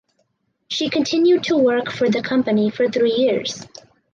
She continued to work for the company for three years.